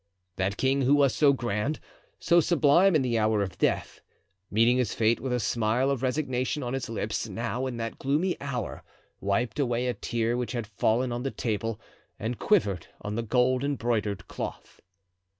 That king, who was so grand, so sublime in the hour of death, meeting his fate with a smile of resignation on his lips, now in that gloomy hour wiped away a tear which had fallen on the table and quivered on the gold embroidered cloth.